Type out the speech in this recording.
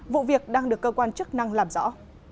vụ việc đang được cơ quan chức năng làm rõ